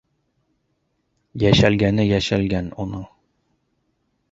Йәшәлгәне йәшәлгән уның.